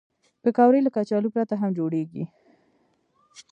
پکورې له کچالو پرته هم جوړېږي